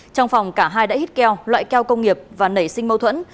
trong phòng cả hai đã hít keo loại keo công nghiệp và nảy sinh mâu thuẫn